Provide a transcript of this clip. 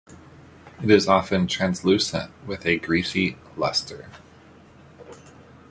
It is often translucent with a greasy luster.